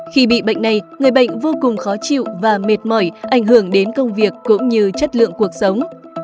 khi bị bệnh này người bệnh vô cùng khó chịu và mệt mỏi ảnh hưởng đến công việc cũng như chất lượng cuộc sống